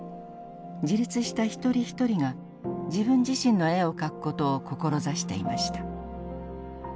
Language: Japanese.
自立した一人一人が自分自身の絵を描く事を志していました。